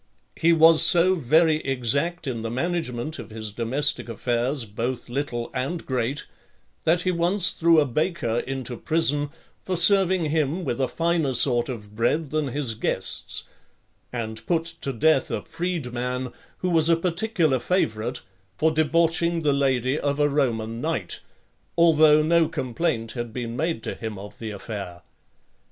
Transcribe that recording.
He was so very exact in the management of his domestic affairs, both little and great, that he once threw a baker into prison, for serving him with a finer sort of bread than his guests; and put to death a freed man, who was a particular favourite, for debauching the lady of a Roman knight, although no complaint had been made to him of the affair.